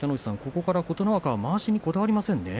ここから琴ノ若はまわしにこだわりませんね。